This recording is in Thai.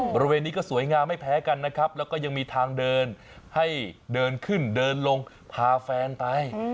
บริเวณนี้ก็สวยงามไม่แพ้กันนะครับแล้วก็ยังมีทางเดินให้เดินขึ้นเดินลงพาแฟนไป